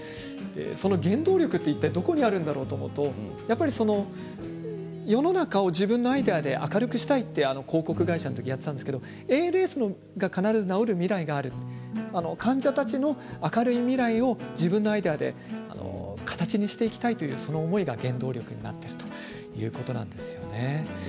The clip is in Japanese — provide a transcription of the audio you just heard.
その原動力はいったいどこにあるのかと思うとやっぱり世の中を自分のアイデアで明るくしたいという広告会社の時やっていたんですけどＡＬＳが必ず治る未来がある患者たちの明るい未来を自分のアイデアを形にしていきたいというその思いが原動力になっているということなんですよね。